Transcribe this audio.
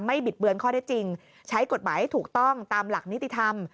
บิดเบือนข้อได้จริงใช้กฎหมายให้ถูกต้องตามหลักนิติธรรม